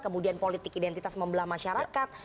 kemudian politik identitas membelah masyarakat